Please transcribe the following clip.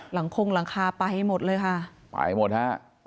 หลังคงหลังคาไปให้หมดเลยค่ะไปให้หมดฮะ